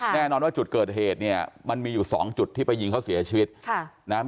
แน่นอนว่าจุดเกิดเหตุเนี่ยมันมีอยู่สองจุดที่ไปยิงเขาเสียชีวิตค่ะนะฮะ